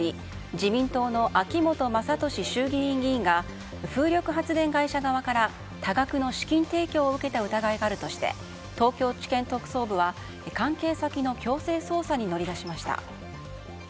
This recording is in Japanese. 自民党の秋本真利衆議院議員が風力発電会社側から多額の資金提供を受けた疑いがあるとして東京地検特捜部は関係先の強制捜査に乗り出しました。